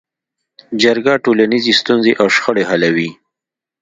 جرګه ټولنیزې ستونزې او شخړې حلوي